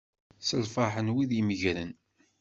S lferḥ n wid imeggren.